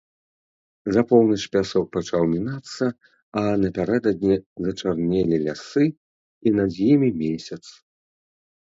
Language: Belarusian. За поўнач пясок пачаў мінацца, а напярэдадні зачарнелі лясы і над імі месяц.